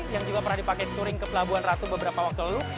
yang juga pernah dipakai touring ke pelabuhan ratu beberapa waktu lalu